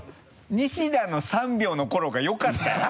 西田の３秒のころがよかったよ。